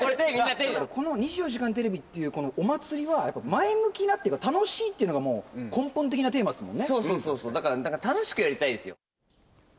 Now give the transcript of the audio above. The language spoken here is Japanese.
この２４時間テレビっていうお祭りは、やっぱ前向きなっていうか、楽しいっていうのが、そうそうそうそう、だから、楽しくやりたいですよ。